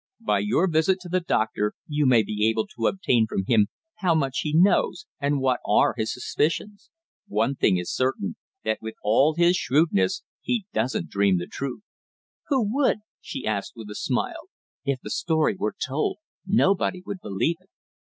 By your visit to the doctor you may be able to obtain from him how much he knows, and what are his suspicions. One thing is certain, that with all his shrewdness he doesn't dream the truth." "Who would?" she asked with a smile. "If the story were told, nobody would believe it."